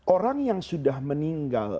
orang yang sudah meninggal